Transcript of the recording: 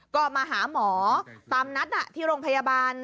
ก็มาหาหมอตามนัดที่โรงพยาบาล